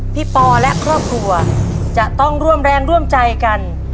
ปอและครอบครัวจะต้องร่วมแรงร่วมใจกัน